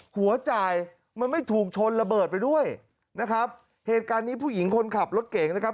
หัวจ่ายมันไม่ถูกชนระเบิดไปด้วยนะครับเหตุการณ์นี้ผู้หญิงคนขับรถเก่งนะครับ